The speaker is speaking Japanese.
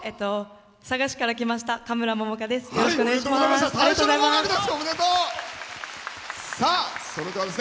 佐賀市から来ましたかむらです。